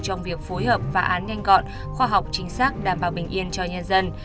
trong việc phối hợp phá án nhanh gọn khoa học chính xác đảm bảo bình yên cho nhân dân